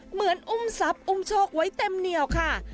เหมือนอุ้มทรัพย์อุ้มโชคไว้เต็มเหนียวค่ะ